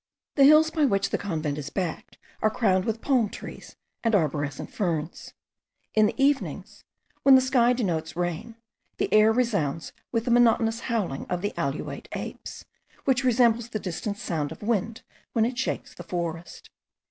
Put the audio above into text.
The hills by which the convent is backed, are crowned with palm trees and arborescent ferns. In the evenings, when the sky denotes rain, the air resounds with the monotonous howling of the alouate apes, which resembles the distant sound of wind when it shakes the forest.